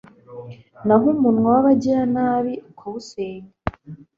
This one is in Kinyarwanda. naho umunwa w’abagiranabi ukawusenya